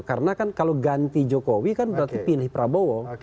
karena kan kalau ganti jokowi kan berarti pilih prabowo